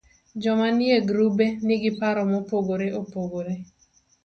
Joma nie grubego nigi paro mopogore opogre